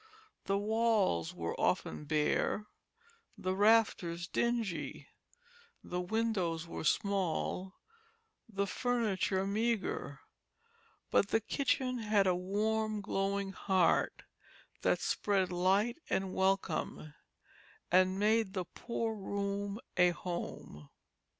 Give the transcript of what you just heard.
The walls were often bare, the rafters dingy; the windows were small, the furniture meagre; but the kitchen had a warm, glowing heart that spread light and welcome, and made the poor room a home.